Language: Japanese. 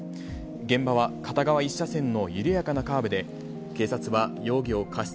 現場は片側１車線の緩やかなカーブで、警察は容疑を過失